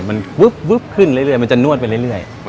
มันวึบขึ้นเรื่อยมันจะนวดไปเรื่อย